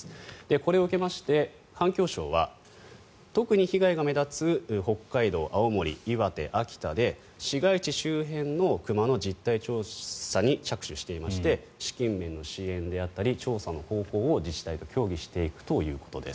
これを受けまして環境省は特に被害が目立つ北海道、青森、岩手、秋田で市街地周辺の熊の実態調査に着手していまして資金面の支援であったり調査の方法を自治体と協議していくということです。